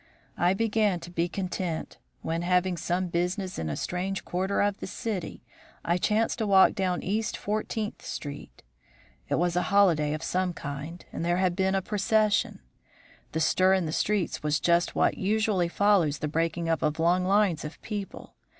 "I began to be content, when, having some business in a strange quarter of the city, I chanced to walk down East Fourteenth Street. It was a holiday of some kind and there had been a procession. The stir in the streets was just what usually follows the breaking up of long lines of people.